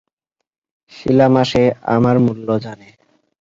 শিলা মাসি আমার মূল্য জানে।